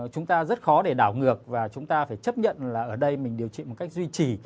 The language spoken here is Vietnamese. chúng ta rất khó để đảo ngược và chúng ta phải chấp nhận là ở đây mình điều trị một cách duy trì